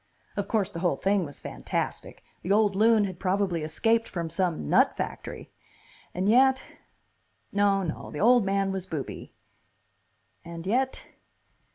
Of course, the whole thing was fantastic; the old loon had probably escaped from some nut factory.... and yet.... No, no, the old man was booby. And yet....